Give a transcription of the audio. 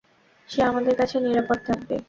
সে আমাদের কাছে নিরাপদ থাকবে।